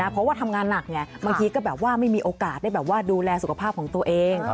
เพราะว่าทำงานหนักไงบางทีก็แบบว่าไม่มีโอกาสได้แบบว่าดูแลสุขภาพของตัวเอง